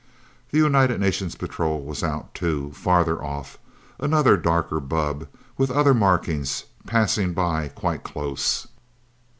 The United Nations patrol was out, too, farther off. Another, darker bubb, with other markings, passed by, quite close.